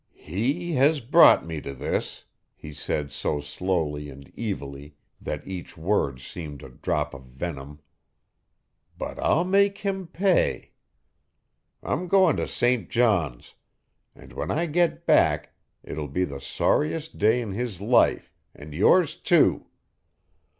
"He has brought me to this," he said so slowly and evilly that each word seemed a drop of venom. "But I'll make him pay. I'm goin' to St. John's, and when I get back it will be the sorriest day in his life and yours, too.